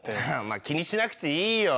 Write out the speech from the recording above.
まあ気にしなくていいよ。